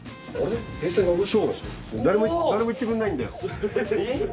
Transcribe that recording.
誰も言ってくれないんだよ。